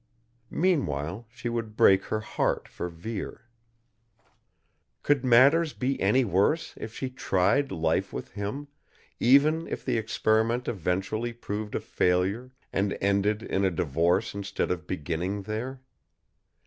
Meanwhile, she would break her heart for Vere. Could matters be any worse if she tried life with him, even if the experiment eventually proved a failure and ended in a divorce instead of beginning there?